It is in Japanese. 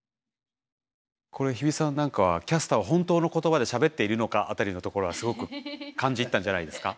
これ日比さんなんかはキャスターは本当の言葉でしゃべっているのか辺りのところはすごく感じ入ったんじゃないですか？